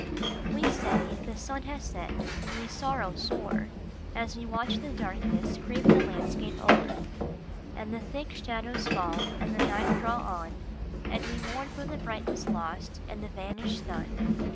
E say, " The sun has set," and we sorrow sore As we watch the darkness creep the landscape o er, And the thick shadows fall, and the night draw on ; And we mourn for the brightness lost, and the vanished sun.